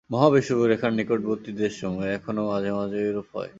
মহা-বিষুবরেখার নিকটবর্তী দেশসমূহে এখনও মাঝে মাঝে এইরূপ হয়।